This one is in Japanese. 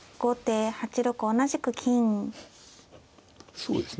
そうですね